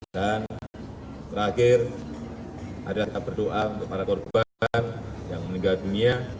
dan terakhir saya berdoa kepada korban yang meninggal dunia